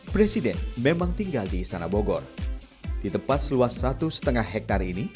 pada tahun dua ribu tujuh belas